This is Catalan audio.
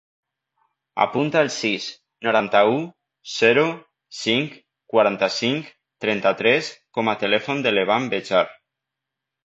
Apunta el sis, noranta-u, zero, cinc, quaranta-cinc, trenta-tres com a telèfon de l'Evan Bejar.